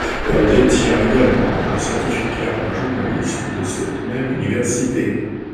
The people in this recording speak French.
Elle détient également un certificat en journalisme de cette même université.